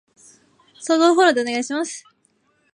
相互フォローでお願いします